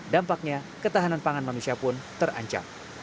dampaknya ketahanan pangan manusia pun terancam